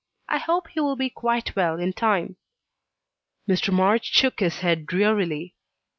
I hope he will be quite well in time." Mr. March shook his head drearily.